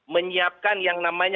menyiapkan yang nampaknya